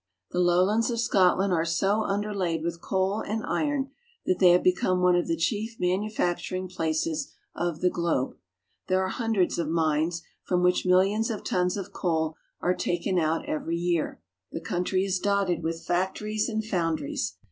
The lowlands of Scotland are so underlaid with coal and iron that they have become one of the chief manufacturing places of the globe. There are hundreds of mines, from which millions of tons of coal are taken out every year. The country is dotted with factories and foundries.